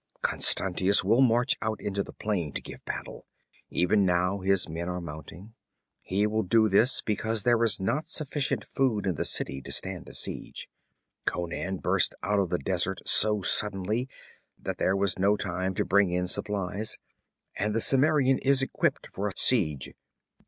Constantius will march out into the plain to give battle. Even now his men are mounting. He will do this because there is not sufficient food in the city to stand a siege. Conan burst out of the desert so suddenly that there was no time to bring in supplies. And the Cimmerian is equipped for a siege.